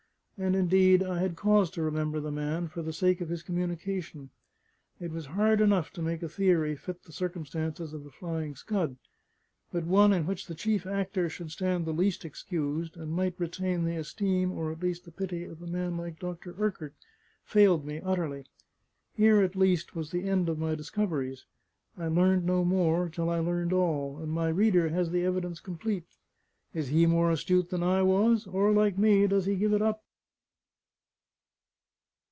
And indeed I had cause to remember the man for the sake of his communication. It was hard enough to make a theory fit the circumstances of the Flying Scud; but one in which the chief actor should stand the least excused, and might retain the esteem or at least the pity of a man like Dr. Urquart, failed me utterly. Here at least was the end of my discoveries; I learned no more, till I learned all; and my reader has the evidence complete. Is he more astute than I was? or, like me, does he give it up?